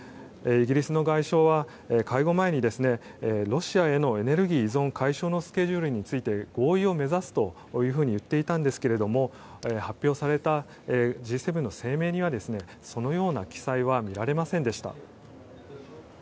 イギリスの外相は会合前にロシアへのエネルギー依存解消のスケジュールについて合意を目指すと言っていたんですが発表されたＧ７の声明にはそのような記載は見られませんでした。